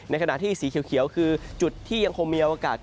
ในขณะที่สีเขียวคือจุดที่ยังเครียมเยียวอากาศ